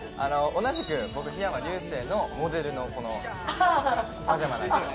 同じく僕桧山竜星のモデルのパジャマなんですね